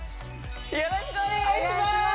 よろしくお願いします